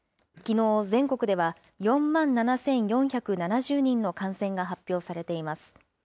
きのう、全国では４万７４７０人の感染が発表されています。